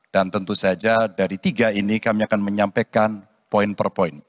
dan tentu saja dari tiga ini kami akan menyampaikan poin per poin